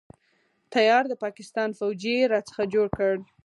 تيار د پاکستان فوجي يې را څخه جوړ کړ.